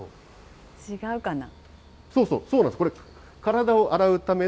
違うかな。